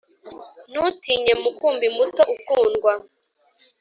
ntutinye, mukumbi muto ukundwa